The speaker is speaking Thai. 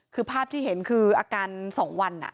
คือภาพที่เห็นคืออาการ๒วัน